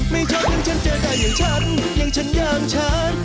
ไม่ชอบอย่างฉันเจอได้อย่างฉันอย่างฉันอย่างฉัน